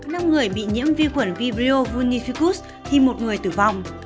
năm người bị nhiễm vi khuẩn vibrio vulnificus thì một người tử vong